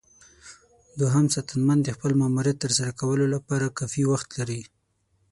دوهم ساتنمن د خپل ماموریت ترسره کولو لپاره کافي وخت لري.